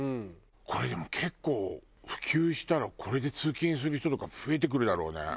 これでも結構普及したらこれで通勤する人とか増えてくるだろうね。